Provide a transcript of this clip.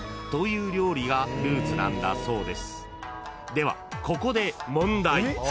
［ではここで問題］